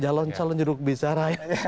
jalon calon jeruk bisara ya